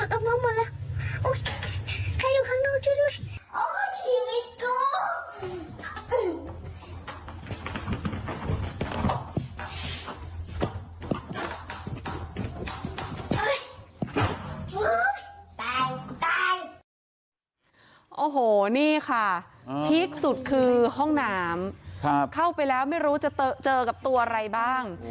อุ้ยตายตายโอ้โหนี่ค่ะฮิกสุดคือห้องหนามครับเข้าไปแล้วไม่รู้จะเจอกับตัวอะไรบ้าง